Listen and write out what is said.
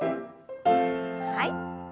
はい。